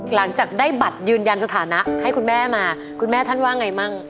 หลังจากได้บัตรยืนยันสถานะให้คุณแม่มาคุณแม่ท่านว่าไงมั่ง